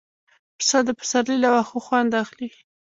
پسه د پسرلي له واښو خوند اخلي.